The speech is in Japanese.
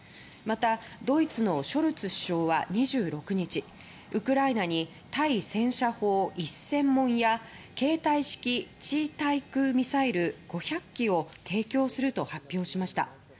また、ドイツのショルツ首相は２６日ウクライナに対戦車砲１０００門や携帯式地対空ミサイル５００基を提供すると発表しました。